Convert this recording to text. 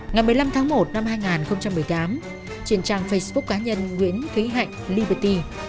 ngày một mươi năm tháng một năm hai nghìn một mươi tám trên trang facebook cá nhân nguyễn thúy hạnh liverty